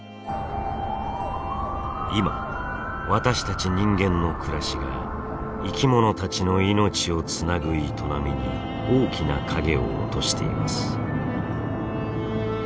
今私たち人間の暮らしが生きものたちの命をつなぐ営みに大きな影を落としています。